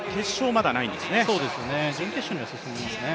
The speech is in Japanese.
準決勝には進んでいますね。